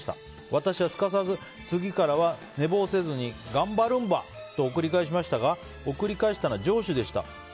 私はすかさず寝坊せずに頑張ルンバ！と送り返しましたが送り返したら上司でした。